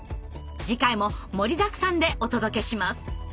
次回も盛りだくさんでお届けします。